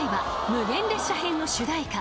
無限列車編』の主題歌］